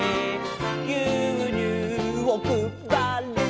「ぎゅうにゅうをくばる」